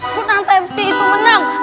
ku nantai emsi itu menang